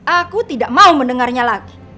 aku tidak mau mendengarnya lagi